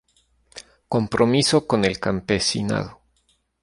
Compromiso con el campesinado.